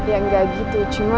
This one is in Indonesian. ya enggak gitu cuma